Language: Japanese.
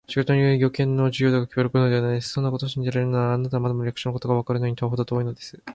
仕事の量によって、用件の重要度がきまるのではないのです。そんなことを信じられるなら、あなたはまだまだ役所のことがわかるのにはほど遠いのです。